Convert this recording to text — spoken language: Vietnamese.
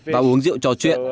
và uống rượu trò chuyện